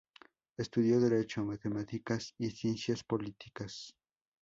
Estudió Derecho, Matemáticas y Ciencias Políticas.